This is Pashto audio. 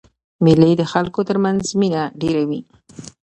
مېلې د خلکو تر منځ مینه ډېروي.